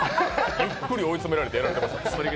ゆっくり追い詰められてやられてた。